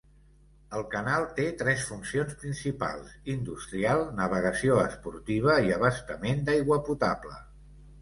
El canal té tres funcions principals: industrial, navegació esportiva i abastament d'aigua potable.